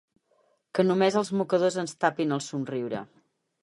Que només els mocadors ens tapin el somriure.